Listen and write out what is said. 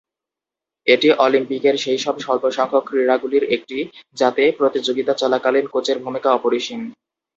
এটি অলিম্পিকের সেই সব স্বল্প সংখ্যক ক্রীড়া গুলির একটি, যাতে, প্রতিযোগিতা চলাকালীন কোচের ভূমিকা অপরিসীম।